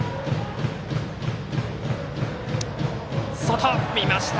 外、見ました。